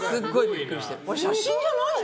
写真じゃないの？